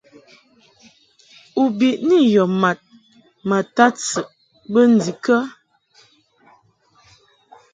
U biʼni yɔ mad ma tadsɨʼ bə ndikə ?